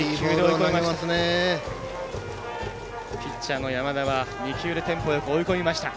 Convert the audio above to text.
ピッチャーの山田は２球でテンポよく追い込みました。